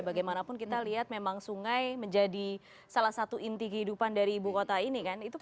bagaimanapun kita lihat memang sungai menjadi salah satu inti kehidupan dari ibu kota ini kan